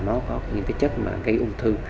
nó có những cái chất mà gây ung thư